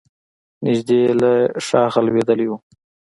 نژدې له شاخه لوېدلی و.